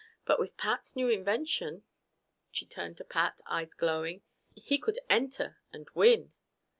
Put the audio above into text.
But with Pat's new invention " She turned to Pat, eyes glowing "he could enter and win!"